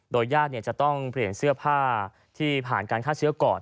ญาติจะต้องเปลี่ยนเสื้อผ้าที่ผ่านการฆ่าเชื้อก่อน